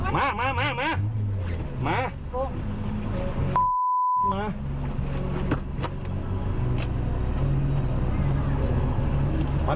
ไม่ใช่นะครับคุณไม่จอด